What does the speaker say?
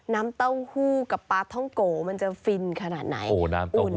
น้ำเต้าหู้กับปลาท่องโกมันจะฟินขนาดไหน